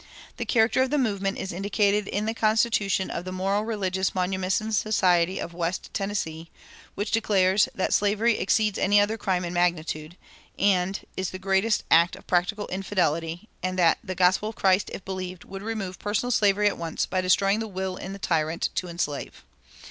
The character of the movement is indicated in the constitution of the "Moral Religious Manumission Society of West Tennessee," which declares that slavery "exceeds any other crime in magnitude" and is "the greatest act of practical infidelity," and that "the gospel of Christ, if believed, would remove personal slavery at once by destroying the will in the tyrant to enslave."